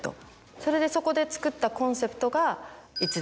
それでそこで作ったコンセプトが。